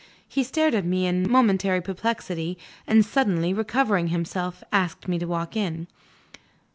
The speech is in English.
He stared at me in momentary perplexity, and, suddenly recovering himself, asked me to walk in.